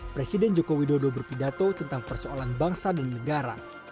presiden joko widodo berpidato tentang persoalan bangsa dan negara